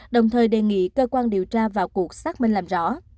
đồng thời đề nghị cơ quan điều tra vào cuộc xác minh làm rõ